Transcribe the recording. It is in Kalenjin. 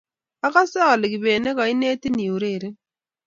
agase ale kibet ne koinetin iureren